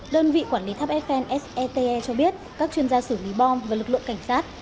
đơn vị quản lý tháp eiffel sete cho biết các chuyên gia xử lý bom và lực lượng cảnh sát